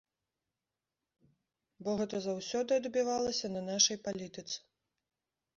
Бо гэта заўсёды адбівалася на нашай палітыцы.